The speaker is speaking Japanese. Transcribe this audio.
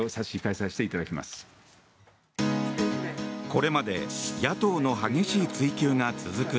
これまで野党の激しい追及が続く